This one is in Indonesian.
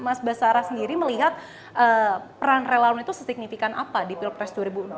mas basara sendiri melihat peran relawan itu sesignifikan apa di pilpres dua ribu dua puluh